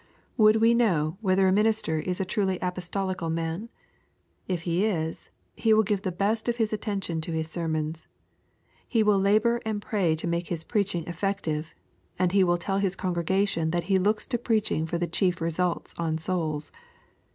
Would we know whether a minister is a truly apostolical man ? If he is, he wiU give the best of his attention to his sermons. He will labor and pray to make his preaching effective, and he will tell his congregation that he looks to preaching for the chief results on souls.